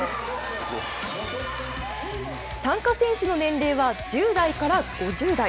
参加選手の年齢は１０代から５０代。